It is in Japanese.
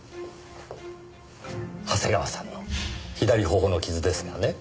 長谷川さんの左頬の傷ですがね